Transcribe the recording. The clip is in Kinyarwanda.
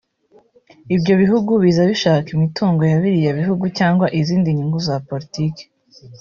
Ibyo bihugu biza bishaka imitungo ya biriya bihugu cyangwa izindi nyungu za politiki